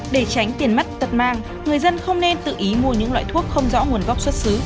để tránh tiền mất tật mang người dân không nên tự ý mua những loại thuốc không rõ nguồn gốc xuất xứ